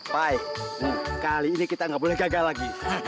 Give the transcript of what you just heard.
pai kali ini kita gak boleh gagal lagi